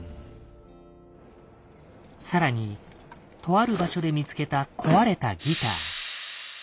更にとある場所で見つけた「壊れたギター」。